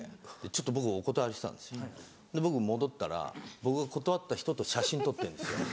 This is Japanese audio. ちょっと僕お断りしたんですよで僕戻ったら僕が断った人と写真撮ってんですよ。